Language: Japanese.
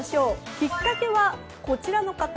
きっかけは、こちらの方。